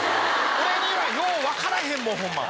俺にはよう分からへんもんホンマ。